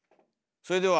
それでは。